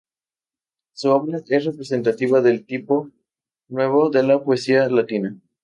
Su obra es representativa del tipo nuevo de la poesía latina.